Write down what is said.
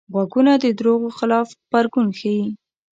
غوږونه د دروغو خلاف غبرګون ښيي